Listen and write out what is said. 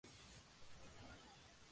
Web de Kylie